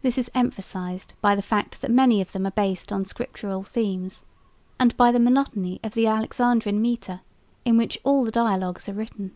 This is emphasised by the fact that many of them are based on Scriptural themes, and by the monotony of the Alexandrine metre in which all the dialogues are written.